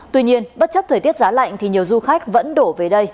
tuy nhiên bất chấp thời tiết giá lạnh thì nhiều du khách vẫn đổ về đây